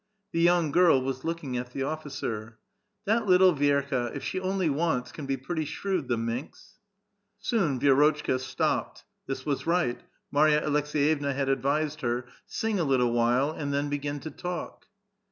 The young girl was looking at Ihe officer. " That little Vi6rk«, if she only wants, can be pretty shrewd, the minx !" Soon Vi(5rotchka stopped. This was right ; Marya Aleks^ yevna had advised her: "Sing a little while, and then begin to talk."